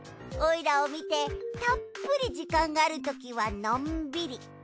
おいらを見てたっぷり時間があるときはのんびり。